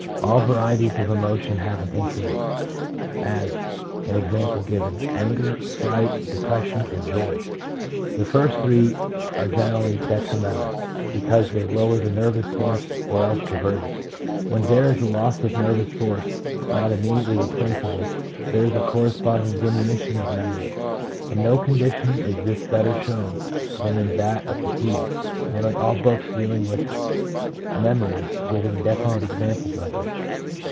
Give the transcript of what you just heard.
All varieties of emotion have an influence — as, e.g., anger, fright, depression, and joy. The first three are gener ally detrimental, because they lower the nervous force or else divert it. When there is a loss of nervous force not immediately replaceable, there is a corre sponding diminution of memory. In no condition is this better shown than in that of fatigue, nearly all books dealing with memory giving definite examples of this.